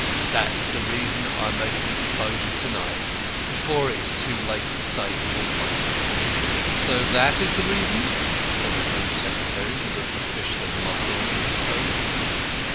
That is the reason I make the exposure to night, before it is too late to save Mortlake." "So that is the reason?" said the Home Secretary, with a suspicion of mockery in his tones.